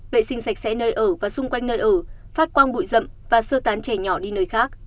vệ sinh sạch sẽ nơi ở và xung quanh nơi ở phát quang bụi rậm và sơ tán trẻ nhỏ đi nơi khác